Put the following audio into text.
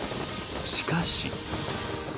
しかし。